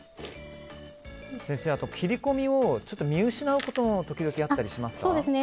先生、あと切り込みを見失うことも時々あったりしますか？